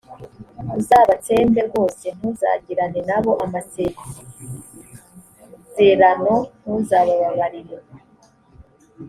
uzabatsembe rwose. ntuzagirane na bo amasezerano, ntuzabababarire.